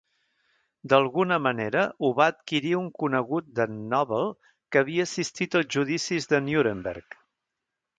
D'alguna manera ho va adquirir un conegut d'en Noble que havia assistit als judicis de Nuremberg.